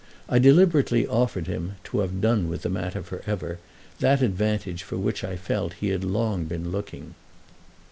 I deliberately offered him, to have done with the matter for ever, that advantage for which I felt he had long been looking.